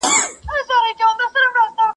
اوس به څوك رنګونه تش كي په قلم كي.